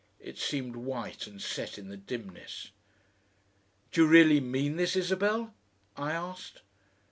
It seemed white and set in the dimness. "Do you really mean this, Isabel?" I asked.